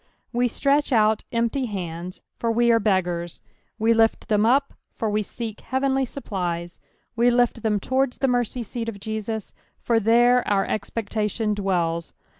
We stretch out empty hands, for we are beggars ; we lift ttiem up, for we seek heavenly supplies ; we lift them towards the merry seat of Jesus, for there our expectation dwells.